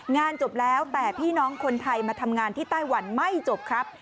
งานจบแล้วแต่พี่น้องคนไทยมาทำงานที่ไต้หวันไม่จบครับ